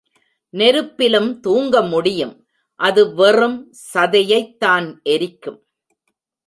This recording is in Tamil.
நெருப்பிலும் தூங்க முடியும் அது வெறும் சதையைத் தான் எரிக்கும்.